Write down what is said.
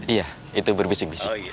iya itu berbisik bisik